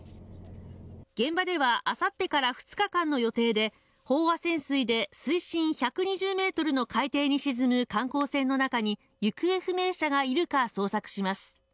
現場ではあさってから２日間の予定で飽和潜水で水深１２０メートルの海底に沈む観光船の中に行方不明者がいるか捜索します